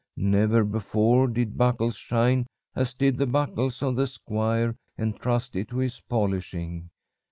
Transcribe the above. Never before did buckles shine as did the buckles of the squire entrusted to his polishing.